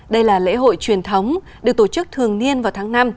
đây là lễ hội truyền thống được tổ chức thường niên vào tháng năm